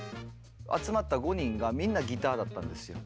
集まった５人がみんなギターだったんですよ。